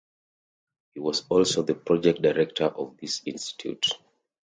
He was also the project director of this institute.